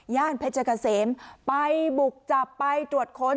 ย่านเพจเจ๊คเกษมไปบุกจับไปจวดค้น